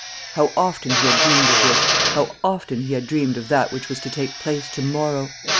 How often he had dreamed of this; how often he had dreamed of that which was to take place to morrow!